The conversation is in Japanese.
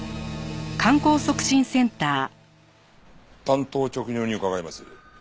単刀直入に伺います。